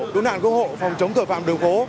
cứu nạn cứu hộ phòng chống tội phạm đường phố